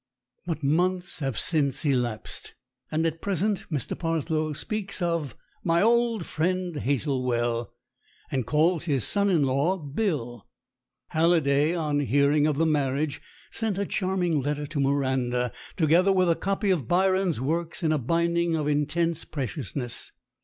But months have since elapsed, and at present Mr. Parslow speaks of "my old friend Hazelwell," and calls his son in law Bill. Halliday, on hearing of the marriage, sent a charming letter to Miranda, together with a copy of Byron's works in a binding of intense preciousness.